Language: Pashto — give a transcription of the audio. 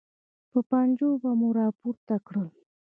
په پنجو به مو راپورته کړل.